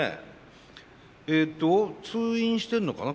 えっと通院してるのかな？